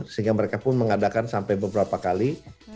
sehingga mereka pun mengadakan sampai beberapa kali